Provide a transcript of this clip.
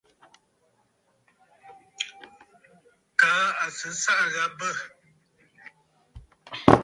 Kaa à sɨ ɨsaʼà gha bə̂.